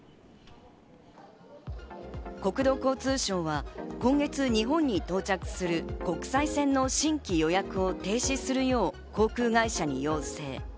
国土交通省は今月、日本に到着する国際線の新規予約を停止するよう、航空会社に要請。